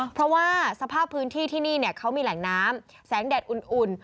เพราะว่าสภาพพื้นที่ที่นี่เขามีแหล่งน้ำแสงแดดอุ่น